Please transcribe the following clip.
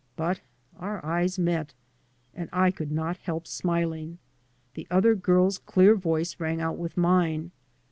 But our eyes met. And I could not help smiling. The other girl's clear voice rang out with mine.